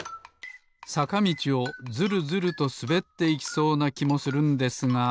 さかみちをズルズルとすべっていきそうなきもするんですが。